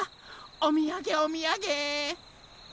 おみやげおみやげ！